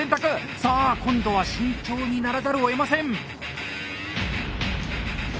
さあ今度は慎重にならざるをえません。